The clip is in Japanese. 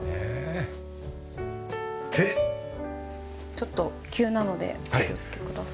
ちょっと急なのでお気をつけください。